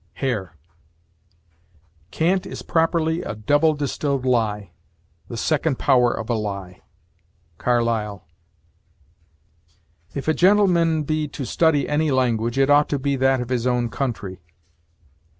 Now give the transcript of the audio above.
HARE. Cant is properly a double distilled lie; the second power of a lie. CARLYLE. If a gentleman be to study any language, it ought to be that of his own country.